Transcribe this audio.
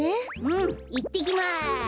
うんいってきます！